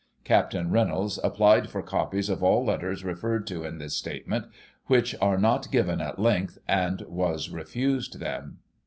" Capt. Reynolds applied for copies of all letters referred to in this statement, which are not given at length, and was refused them."